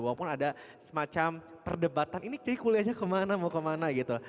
walaupun ada semacam perdebatan ini kayaknya kuliahnya kemana mau kemana gitu